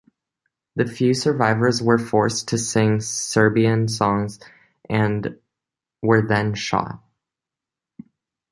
The few survivors were forced to sing Serbian songs, and were then shot.